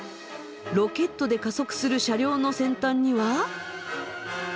ロケットで加速する車両の先端には。